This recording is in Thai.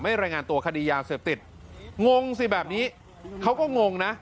รายงานตัวคดียาเสพติดงงสิแบบนี้เขาก็งงนะ